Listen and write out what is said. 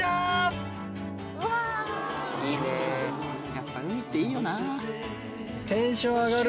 やっぱ海っていいよな。